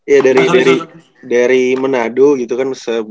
ya dari manado gitu kan